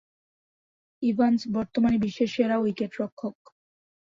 Evans বর্তমানে বিশ্বের সেরা উইকেট-রক্ষক।